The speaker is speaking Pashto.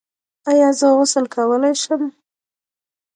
ایا زه غسل کولی شم؟